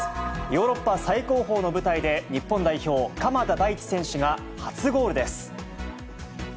ヨーロッパ最高峰の舞台で日本代表、鎌田大地選手が初ゴールです。